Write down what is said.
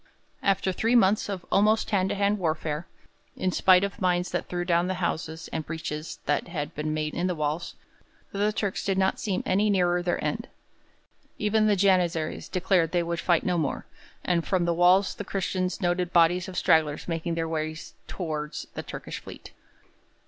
After three months of almost hand to hand warfare, in spite of mines that threw down the houses and breaches that had been made in the walls, the Turks did not seem any nearer their end. Even the Janizaries declared they would fight no more, and from the walls the Christians noted bodies of stragglers making their way towards the Turkish fleet.